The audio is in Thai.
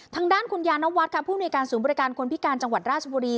ทางด้านคุณยานวัฒน์ค่ะผู้ในการศูนย์บริการคนพิการจังหวัดราชบุรี